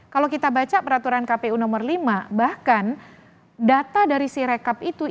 kalau kita baca peraturan kpu nomor lima bahkan data dari sirekap itu